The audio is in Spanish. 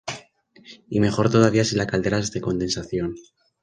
Y mejor todavía si la caldera es de condensación.